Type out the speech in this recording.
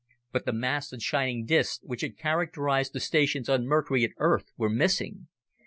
But the masts and shining discs which had characterized the stations on Mercury and Earth were missing.